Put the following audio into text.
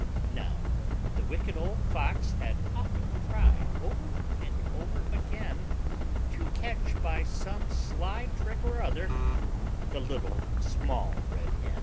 Now, the Wicked Old Fox had often tried Over and over again, To catch by some sly trick or other The Little Small Red Hen.